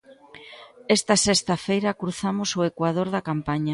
Esta sexta feira cruzamos o ecuador da campaña.